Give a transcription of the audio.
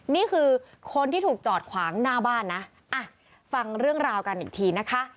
นี่คือคนที่ถูกจอดขวางหน้าบ้านนะอ่ะฟังเรื่องราวกันอีกทีนะคะ